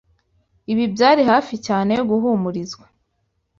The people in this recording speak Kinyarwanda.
Ibi byari hafi cyane yo guhumurizwa.